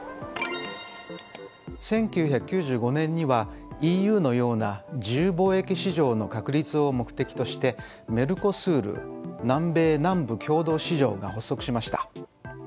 １９９５年にはＥＵのような自由貿易市場の確立を目的としてＭＥＲＣＯＳＵＲ南米南部共同市場が発足しました。